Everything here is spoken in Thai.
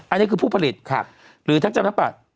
อันนี้คือผู้ผลิตหรือทั้งจำทั้งปัด